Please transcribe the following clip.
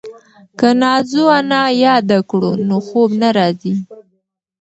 که نازو انا یاده کړو نو خوب نه راځي.